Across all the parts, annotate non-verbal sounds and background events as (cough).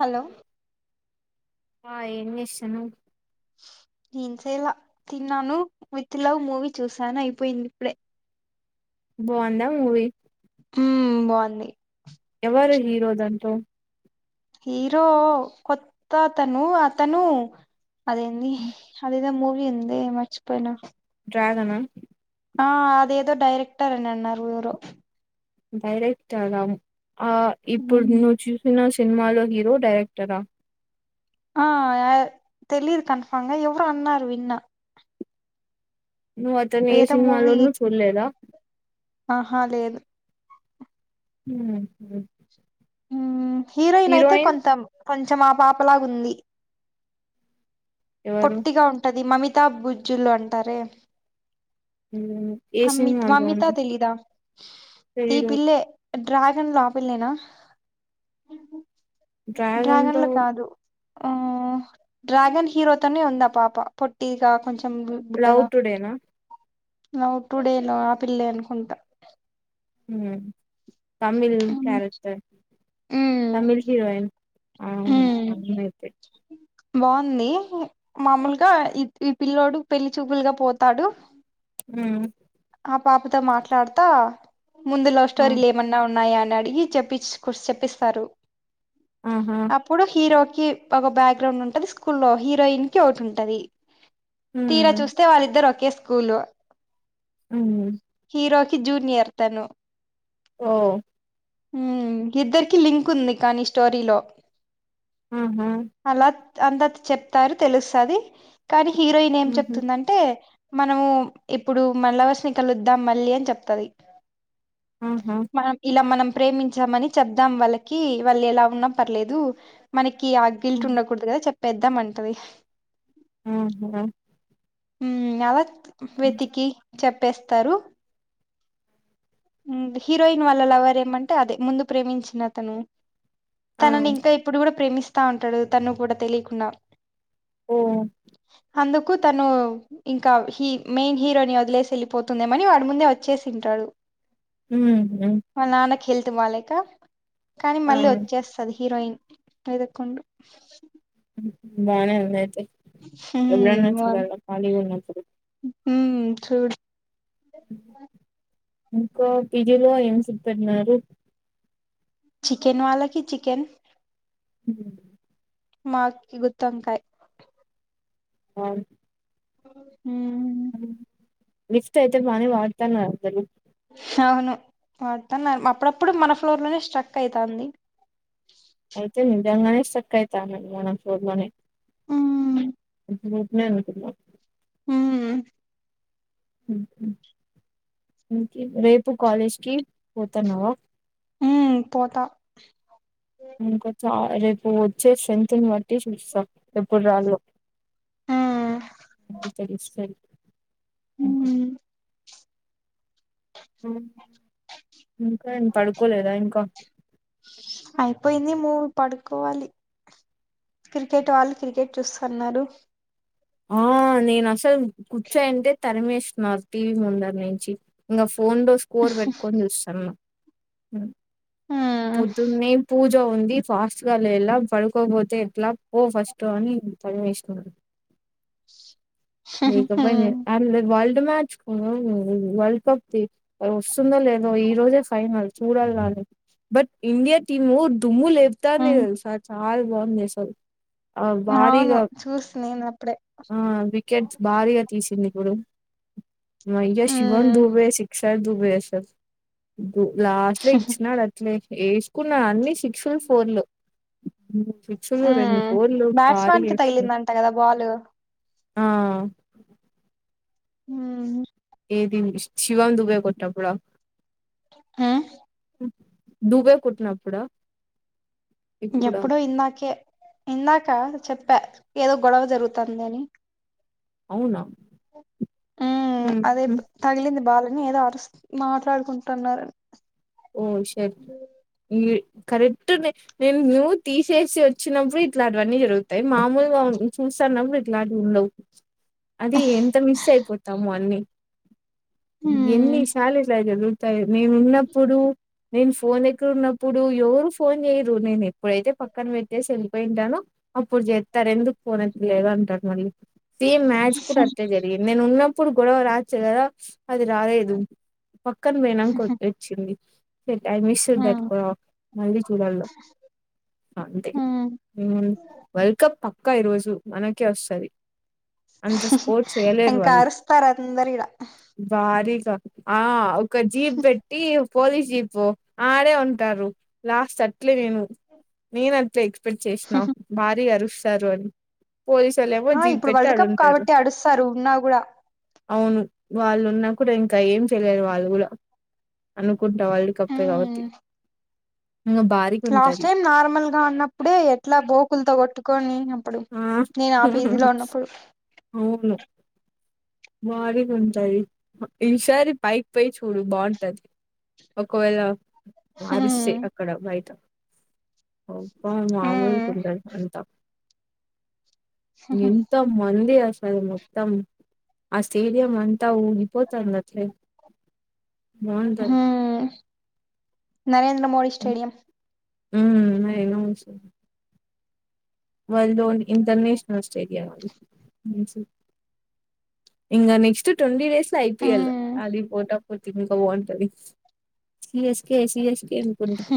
Hello ఆ ఏమ్ చేస్తున్నావ్ ఏమ్ చేయలే తిన్నాను. విత్ లవ్ మూవీ చూసాను అయిపోయింది. ఇప్పుడే బాగుందా మూవీ హ్మ్ బాగుంది. ఎవరు హీరో దంట్లో హీరో కొత్త అతను అతను అదేంది అదే మూవి ఎందే మర్చిపోయిన డ్రాగన్ ఆ ఆ అదేదో డైరెక్టర్ అని అన్నారు. ఎవరో డైరెక్ట్ అగాము ఆ ఇప్పుడు నువ్వు చూసిన సినిమాలో హీరో డైరెక్టరా ఆ తెలిదు కన్ఫాంగా ఎవర అన్నాారు విన్న నువ్వు అతను ఏ ఏదో మూవీ సినిమాలోనూ చూడలేదా ఆహా లేదు హ మ్మ్ హీరోయిన్ అయితే కొంతం కొంచెం ఆపాపలాగు ఉంది ఎవరు పొట్టిగా ఉంటది మమిత కితబజ్జీలు అంటారే ఉమ్, ఏ అ నీకు సినిమాలో వందిత తెలీదా ఈ తెలీదు పిల్ల డ్రాగన్ ఆ పిల్లేన డ్రాగన్ లో డ్రాగన్లు కాదు ఆ డ్రాగన్ హీరో ఉందా పాప పొట్టగా కొంచెం లవ్ బుడ్డగా టుడే నా లవ్ టు డే లో ఆపిిల్లే అనుకుంటా మ్ Tamil um character Tamil heroine ఆ ఉమ్ అమ్మాయి అయితే బాగుంది మామూలుగా ఈ ఈ పిల్ల్లోడు పెళ్లిి చూపులుగా పోతాడు మ్ ఆ పాపతో మాట్లాడతా ముందు లవ్ ఆ అవునయితే స్టోరీలు ఏమన్నా ఉన్నాయా అడిగి చెప్పచు చెప్పిస్తారు ఆహా అప్పుడు హీరో కి ఒక బ్యాక్ గ్రౌండ్ ఉంటది స్కూ లో హీరోయిన్ కి ఒకటి ఉంటది తీరా ఉమ్, చూస్తే వాళ్ళిద్దరు ఒకే స్కూలు మ్ హీరోకి జూనియర్ తను ఓ హ్మ్ ఇద్దరికి లింక్ ఉంది కానీ స్టోరీలో హ్మ్ హు అందత్ చెప్తారు తెలుస్తాది కానీ హీరోయిన్ ఏం ఉహు. చెప్తుందంటే మనము ఇప్పుడు మళ్ళ వర్ష కలుద్దాం మళ్ళీ అని చెప్తది. ఆహా! మనం ఇలా మనం ప్రేమించామని చెప్దాం వాళ్ళకి వాళ్ళు ఎలా ఉన్నా పర్లేదు మన కి ఆ గిల్ట్ హ్మ్. ఉండకూడదు కదా చెప్ పెద్దాం అంటది. ఆహా హు అలా అంతే. వెతికి చెప్ పేస్తారు హీరోయిన్ వాళ్ళ లవర్ ఏమంటే అదే ముందు ప్రేమించిన అతను ఆ! తనని ఇంకా ఇప్పుడు కూడా ప్రేమిస్ స్తా ఉంటడు తను కూడా తెలియకుండా. ఓహ్! అందుకు తను ఇంకా హీ మెయిన్ హీరోని వదిలేసి వెళ్లి పోతుందేమో అని వాడి ముందే వచ్చేసి ఉంటాడు. హుహ్ హెల్త్ బాలేక కానీ మళ్ళీ వచ్చేస్తది హీరోయిన్. పదకొండు బానే ఉందా అయితే. హ్మ్ ఎప్పుడన్నా చూడాలా ఖాళీగా ఉన్నపుడు. హు చూడు. ఇంకో పిజిలో ఏం (unintelligible) పెట్టినారు. చికెన్ వాలాకి చికెన్ హు మాకి గుత్తొంకాయ్. ఆ హ్ లిఫ్ట్ అయితే బానె వాడతనారు అందరు. అవును వాడతున్నారు అప్పుడప్పుడు మన ఫ్లోర్ లోనే స్ట్రక్ అయితాంది. అయితే నిజంగానే స్ట్రక్ అయితనయి మనఫ్లోర్ లోనే. హ్మ్ (inaudible) హు రేపు కాలేజ్కిపోతాన్నవా. ఉ పోతా. ఇంకా చ రేపు వచ్చే స్ట్రెంత్ని బట్టి చూస్తా ఎప్పుడు రావలో హ్మ్ తెలుస్తది. ఇంకా హ్మ్ హ ఇంకా ఎం పడుకోలేదా ఇంకా. అయిపోయింది మూవీ పడుకోవాలి. క్రికెట్ వాళ్ళు క్రికెట్ చూస్తన్నారు. ఆ నేను అసలు కుర్చోనుంటే తరిమేశ్ క టీవీ ముందరి నుంచి ఇంకా ఫోన్ లో స్కోర్ పెట్టుకొని చూస్తాం హ్మ్ హ్మ్ పోధునే పూజ రో ఉంది ఫాస్ట్ గా లేలా పడుకోపోతే ఎట్లా పో ఫస్ట్ అని తరి మీహనారు హుహు బ్రేక్ అప్ అయింది హ్మ్ బగ బ అ వాల్ రడు మచ్ వర్ల్డ్ కప్ త రి వస్తుందా లేదో ఈ రోజే ఫైనల్ చూడాలి రాల బట్ ఇండియా టీమ్ దుముల్ లెప్తాంధి హ్మ్ టెలుసా చానా నాలు బాంద చేష్టాడు అవును చూసు నేను అప్పుడే రేటింగ్ భారీగా తీసింది ఇప్పుడు మయ్య శివన్ హ్మ్ దూబే సిక్స్ దుబై అసల్ ఉ లాస్ట్ లో ఇచ్చినాడు అట్లే ఏసుకున్నా అన్ని సిక్స్‌లు ఫోర్‌లు ఉ ఉ బ్యాట్స్ మన్ కి వేసుకున్నాడు తగిలిందంట కదా బాల్ ఆ హ్మ్మ్ ఏది శివం దుబై కొట్టినప్పుడా ఉమ్ దుబే కొట్టినప్పుడా ఇప్పుడా ఎప్పుడు ఇందాకే ఇందాకా చెప్పా ఏదో గొడవ జరుగుతుంది అని అవునా ఉమ్ అదే ఉహు తగిలింది బాల్ ఏదో అరుస్త్ మాట్లాడుకుంటున్నారు ఓ షెట్ కరెక్ట్ నేను నువ్వు తీసేసి వచ్చినప్పుడు ఇట్లాంటివన్నీ జరుగుతాయి మామూలుగా చూస్తన్నప్పుడు ఇట్లాంటి ఉండవు అది ఎంత మిస్ అయిపోతాము అన్ని ఎన్ని హ్మ్ శార్ల్ ఇలా జరుగు మేమున్నప్పు ప్పుడు నేను ఫోన్ ఎక్కరన్నప్పుడు ఎవరు ఫోన్ చేయ్యరు నేను ఎప్పుడైతే పక్కన పెట్టేసి వెళ్ళిపోయింటానో అప్పుడు చేత్తారు ఎందుకు ఫోన్ ఏత్తటలేదు అంటారు మళ్ళీ సేమ్ మ్యాచ్ కూడా అట్లే జరిగే నేను ఉన్నప్పుడు గొడవ రావచ్చు కదా అది రాలేదు పక్కన పేనాంకొత్తయ్ ఉంది ఐ హ్మ్ మిస్ట్ మళ్ళీ చూడాలా అ అంతే హ్మ్ వల్డ్ కప్ పక్క పక్క ఈ రోజు మనకే వస్తది అంత స్కోర్ చేయలేరు ఇంక వాళ్ళు అరుస్తారు అందరు ఇగ భారీగా ఆ ఒక జీప్ బెట్ టీ పోలీస్ జీప్ ఆడే ఉంటారు లాస్ట్ అట్లే నేను నేన అట్లే ఎక్సపెక్ట్ చేసినా భారీగా అరుస్ స్తారు అని పోలీసోళ్ళేమో ఆ జీప్ ఇప్పుడు పెట్టి వరల్డ్ కప్ ఆడుంటారు కాబట్టి అడు స్తారు ఉన్నా కూడా అవును వాళ్ళు ఉన్నా కూడా ఇంకా ఏం చెయలేరు వాళ్ళు కూడా అనుకుంటా వరల్డ్ కప్పే హ్మ్ కాబత్తి లాస్ట్ టైం నార్మల్ గా ఉన్నప్పుడే ఎట్లా బోకులతో కొట్టు కొని ప్పుడు ఆ నేను ఆ పీజీ లో ఉన్నప్పుడు బారిగా ఉంటది ఈసారి పైకి పోయి చూడు బాగుంటది ఒకవేళ వారిస్తే హ్మ్ అక్కడ బయట అబ్బా మామూలు హ్మ్ గుండదు అంతా ఎంత మంది అస స ముత్తం ఆ స్టేడియ అంతా ఊగిపోతంది అట్ల బవుంటది హ్మ్ నరేంద్ర మోడీ స్టేడియం ఉం అయిన ఉస్ వర్ల్డ్ ఓన్ ఇంటర్నేషనల్ స్టేడియం అది ఇంకా నెక్స్ట్ ట్వంటీ డేస్ ఐపిఎల్ హ్మ్ ఆది పోటం పోటిగా బాగుంటది సిఎస్ కే సిఎస్ ఏనుకుంట (inaudible)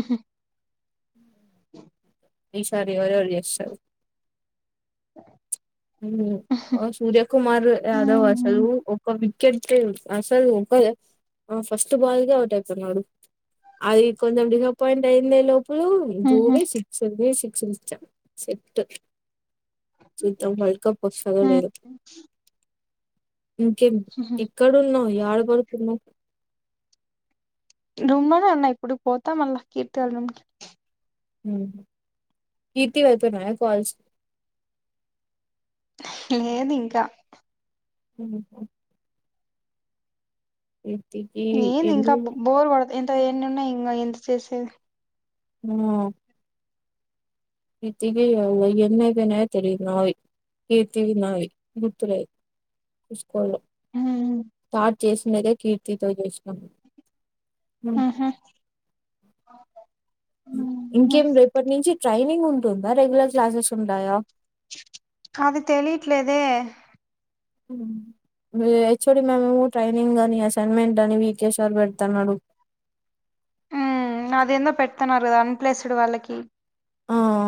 ఈసారి ఎవరెవరు జేస్తారు హ్మ్ సూర్యకుమార్ యాదవ్ అసలు ఒక్క కేట్టేవ్ అసలు ఒక ఫస్ట్ బాల్గా అవుట్ అవుతున్నాడు అది కొంచెం డిసప్పయింట్ అయ్యిందే లో పులు హ్మ్ దూవేసి ఇదే సిక్షరిచ్ఛా సెట్టు చూద్దాం వర్ల్డ్ కప్ వొస్తాదో హ్మ్ లేదో ఇంకేం ఎక్కడున్నావ్ యా ఆడ పడుకున్నావ్ రుమ్ంలోనే అన్నా ఇప్పుడుకి పోతా మళ్ళీ కీర్తిలుం తి వైతు మ కాలజ లేదు ఇంకా హ ఇ నన్ ఇంకా బోర్ వాడ ఎంత న్నన్నా ఇంకా ఎంత చేసే హ రీతికి ఎన్నదనాయ తెలి న కతవి న గుతు కొ హ్మ్ తట్ చేసినదే కీర్తితో చేసాం అ ఊహూ ఇంకేం రేపటి నుంచి ట్రైనింగ్ ఉంటుందా రెగ్యులర్ క్లాసెస్ ఉంటాయా అది తెలిట్లేదే హచ్ మేము ట్రైనింగ్ అని అసైన్మెంట్ అని విక సర్ పెడతున్నాడు అదేందో పెడుతున్నారు కదా అన్ప్లేస్డ్ వాళ్ళకి ఆ